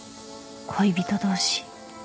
［恋人同士？